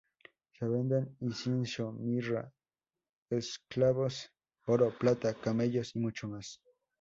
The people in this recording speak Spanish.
Se venden incienso, mirra, esclavos, oro, plata, camellos, y mucho más.